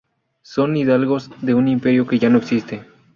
Son hidalgos de un imperio que ya no existe.